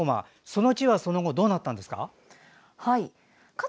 その地はその後、どうなったんですか？